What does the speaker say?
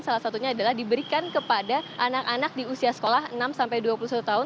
salah satunya adalah diberikan kepada anak anak di usia sekolah enam sampai dua puluh satu tahun